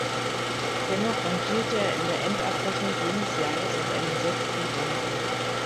Dennoch rangierte er in der Endabrechnung jenes Jahres auf einem sechsten Rang.